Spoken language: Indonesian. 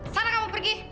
sana kamu pergi